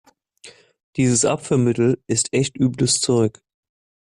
Dieses Abführmittel ist echt übles Zeug.